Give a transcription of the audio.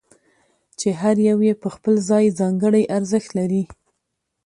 چې هر یو یې په خپل ځای ځانګړی ارزښت لري.